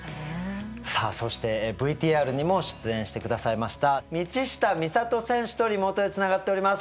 さあそしてＶＴＲにも出演してくださいました道下美里選手とリモートでつながっております。